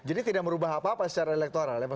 jadi tidak merubah apa apa secara elektoral ya pak